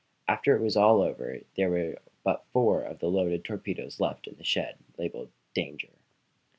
After it was all over there were but four of the loaded torpedoes left in the shed labeled "Danger."